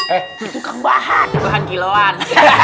eh itu kan bahan bahan kiloan